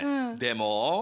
でも？